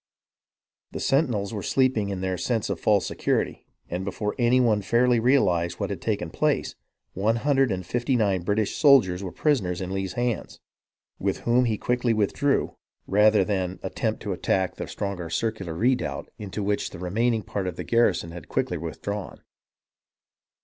The sentinels were sleeping in their sense of false security, and before any one fairly realized what had taken place, one hundred and fifty nine British soldiers were prisoners in Lee's hands, with whom he quickly withdrew, rather than attempt to attack 284 GENERAL FRANCIS MARION MINOR ENGAGEMENTS 285 the Stronger circular redoubt into which the remaining part of the garrison had quickly withdrawn.